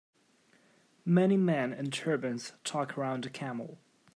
Many men in turbans talk around a camel.